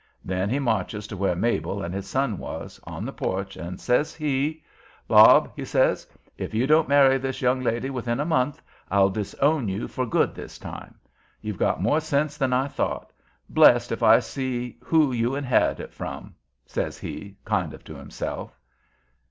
Then he marches to where Mabel and his son was, on the porch, and says he: "Bob," he says, "if you don't marry this young lady within a month I'll disown you, for good this time. You've got more sense than I thought. Blessed if I see who you inherit it from!" says he, kind of to himself.